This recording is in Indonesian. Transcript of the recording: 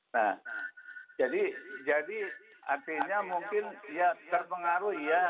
nah jadi artinya mungkin ya terpengaruh ya